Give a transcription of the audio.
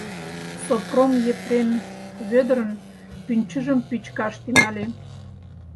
Сопром Епрем Вӧдырын пӱнчыжым пӱчкаш тӱҥале.